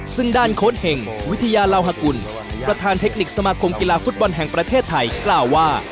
ซึ่งด้านโค้ดเห็งวิทยาลาวฮกุลประธานเทคนิคสมาคมกีฬาฟุตบอลแห่งประเทศไทยกล่าวว่า